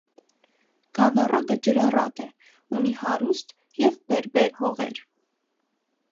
Գավառակը ջրառատ է, ունի հարուստ և բարեբեր հողեր։